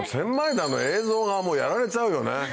田の映像がもうやられちゃうよね。